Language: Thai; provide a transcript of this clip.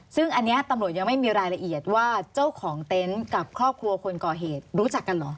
ซึ่งอันนี้ตำรวจยังไม่มีรายละเอียดว่าเจ้าของเต็นต์กับครอบครัวคนก่อเหตุรู้จักกันเหรอ